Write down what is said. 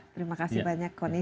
terima kasih banyak kony